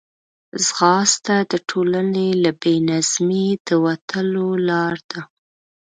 ځغاسته د ټولنې له بې نظمۍ د وتلو لار ده